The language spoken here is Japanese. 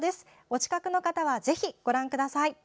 お近くの方はぜひご覧ください。